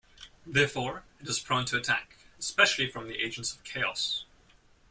Therefore, it is prone to attack, especially from the agents of Chaos.